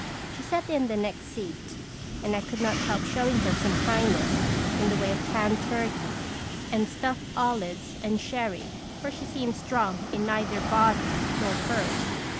She sat in the next seat, and I could not help showing her some kindness in the way of canned turkey, and stuffed olives, and sherry, for she seemed strong in neither body nor purse.